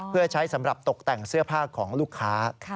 เพื่อใช้สำหรับตกแต่งเสื้อผ้าของลูกค้า